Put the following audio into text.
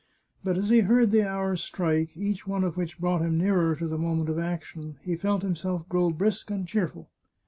But as he heard the hours strike, each one of which brought him nearer to the moment of action, he felt himself grow brisk and cheerful.